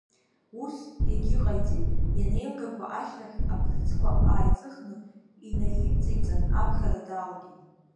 Ус иагьыҟаиҵеит, ианеилгақәа ашьҭахь абӷьыцқәа ааиҵыхны инаимҵеиҵан аԥхьара далагеит.